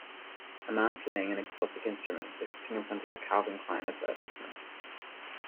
A man playing an exotic instrument is sitting in front of a Calvin Klein advertisement.